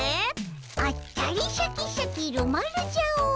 あったりシャキシャキるまるじゃお。